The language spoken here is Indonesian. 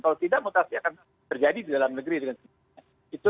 kalau tidak mutasi akan terjadi di dalam negeri